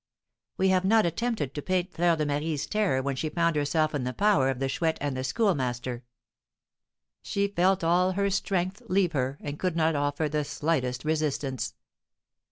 We have not attempted to paint Fleur de Marie's terror when she found herself in the power of the Chouette and the Schoolmaster. She felt all her strength leave her, and could not offer the slightest resistance.